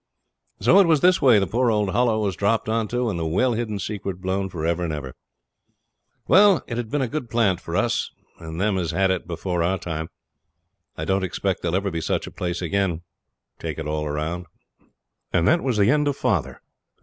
So it was this way the poor old Hollow was dropped on to, and the well hidden secret blown for ever and ever. Well, it had been a good plant for us and them as had it before our time. I don't expect there'll ever be such a place again, take it all round. And that was the end of father!